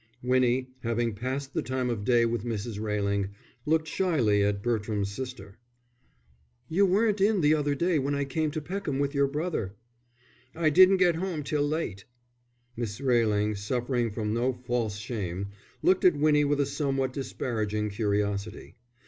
Winnie, having passed the time of day with Mrs. Railing, looked shyly at Bertram's sister. "You weren't in the other day when I came to Peckham with your brother." "I didn't get home till late." Miss Railing, suffering from no false shame, looked at Winnie with a somewhat disparaging curiosity.